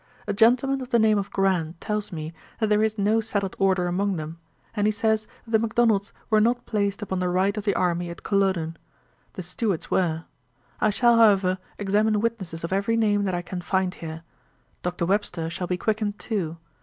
A gentleman of the name of Grant tells me, that there is no settled order among them; and he says, that the Macdonalds were not placed upon the right of the army at Culloden; the Stuarts were. I shall, however, examine witnesses of every name that I can find here. Dr. Webster shall be quickened too.